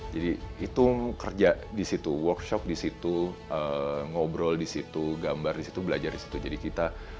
jadi itu kerja di situ workshop di situ ngobrol di situ gambar di situ belajar di situ jadi kita